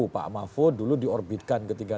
pak mahfud dulu diorbitkan ketika